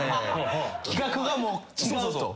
企画がもう違うと。